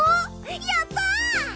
やった！